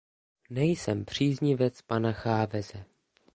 Nejsem příznivec pana Cháveze.